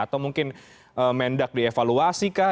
atau mungkin mendak dievaluasi kah